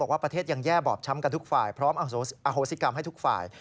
ว่าประเทศยังแย่บอบช้ำกันทุกฝ่ายพร้อมอโหสิกรรมให้ทุกฝ่าย